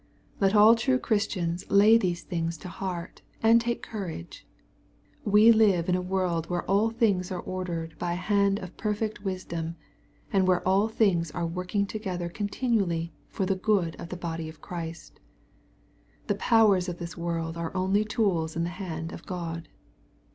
Let all true Christians lay these things to heart, and take coarage. We live in a world where all things are ordered by a hand of perfect wisdom, and where all things are working together continually for the good of the body of Christ. The powers of this world are only tools in the hand of God.